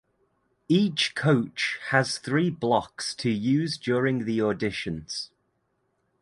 Each coach has three blocks to use during the auditions.